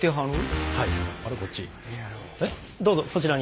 どうぞこちらに。